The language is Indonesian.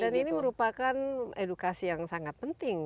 dan ini merupakan edukasi yang sangat penting